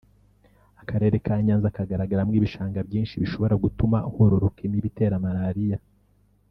Akarere ka Nyanza kagaragaramo ibishanga byinshi bishobora gutuma hororoka imibu itera Malariya